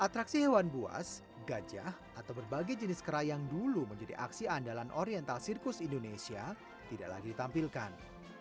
atraksi hewan buas gajah atau berbagai jenis kerai yang dulu menjadi aksi andalan oriental sirkus indonesia tidak lagi ditampilkan